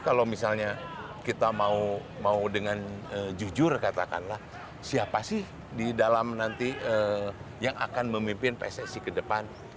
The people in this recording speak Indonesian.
kalau misalnya kita mau dengan jujur katakanlah siapa sih di dalam nanti yang akan memimpin pssi ke depan